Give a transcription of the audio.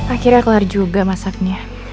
akhirnya keluar juga masaknya